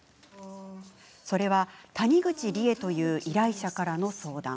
それは谷口里枝という依頼者からの相談。